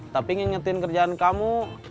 tapi ngingetin kerjaan kamu